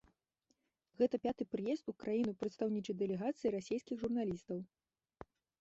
Гэта пяты прыезд у краіну прадстаўнічай дэлегацыі расейскіх журналістаў.